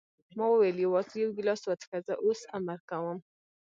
ما وویل: یوازې یو ګیلاس وڅښه، زه اوس امر کوم.